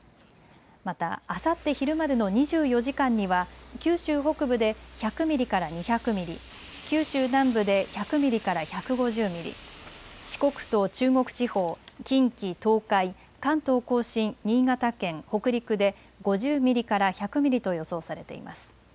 またあさって昼までの２４時間には九州北部で１００ミリから２００ミリ、九州南部で１００ミリから１５０ミリ、四国と中国地方、近畿、東海、関東甲信、新潟県、北陸で５０ミリから１００ミリと予想されています。